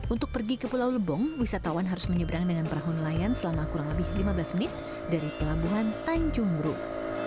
untuk pergi ke pulau lebong wisatawan harus menyeberang dengan perahu nelayan selama kurang lebih lima belas menit dari pelabuhan tanjung ruk